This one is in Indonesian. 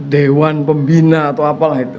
dewan pembina atau apalah itu